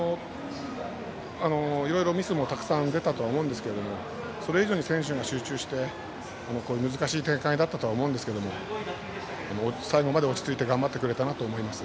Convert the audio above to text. いろいろミスもたくさん出たと思うんですがそれ以上に選手が集中して難しい展開だったと思うんですが最後まで落ち着いて頑張ってくれたと思います。